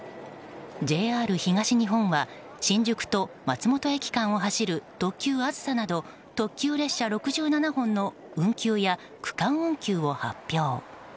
ＪＲ東日本は新宿と松本駅間を走る特急「あずさ」など特急列車６７本の運休や区間運休を発表。